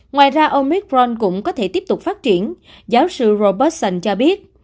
ngoài ra omicron cũng có thể tiếp tục phát triển giáo sư robertson cho biết